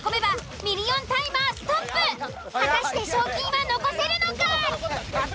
果たして賞金は残せるのか？